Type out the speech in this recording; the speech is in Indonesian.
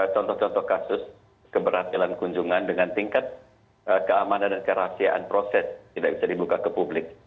contoh contoh kasus keberhasilan kunjungan dengan tingkat keamanan dan kerahasiaan proses tidak bisa dibuka ke publik